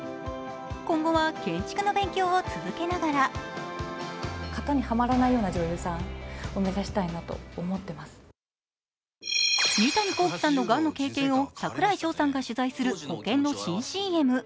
今後は建築の勉強を続けながら三谷幸喜さんのがんの経験を櫻井翔さんが取材する保険の新ＣＭ。